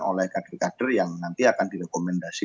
oleh kader kader yang nanti akan direkomendasi